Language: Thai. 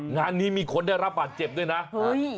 งานนี้มีคนได้รับบาดเจ็บด้วยนะเฮ้ย